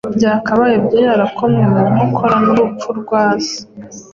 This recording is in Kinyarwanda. byakabaye byarakomwe mu nkokora n’urupfu rwa se